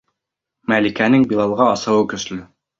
Мәликәнең Билалға асыуы көслө.